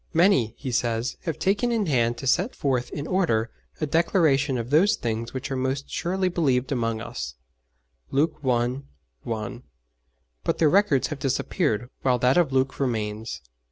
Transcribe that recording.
'Many,' he says, 'have taken in hand to set forth in order a declaration of those things which are most surely believed among us' (Luke i. 1), but their records have disappeared, while that of Luke remains.